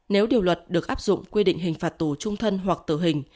nếu điều luật được áp dụng quy định hình phạt tù trung thân hoặc tử hình